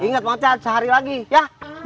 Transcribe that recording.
ingat mang ochar sehari lagi ya